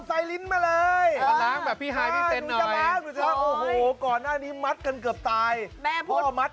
ไซลิ้นมาเลยแล้วพี่ฮายทำก่อนหน้านี้มัดกันเกือบตายพ่อมัด